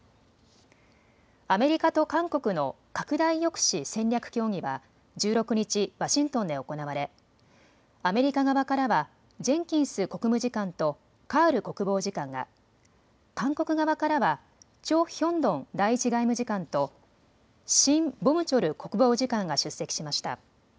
アメリカと韓国の拡大抑止戦略協議は１６日、ワシントンで行われアメリカ側からはジェンキンス国務次官とカール国防次官が、韓国側からはチョ・ヒョンドン第１外務次官とシン・ボムチョル国防次官が出席しました。